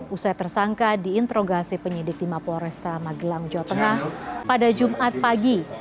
usai tersangka diintrogasi penyidik timah polres tamagelang jawa tengah pada jumat pagi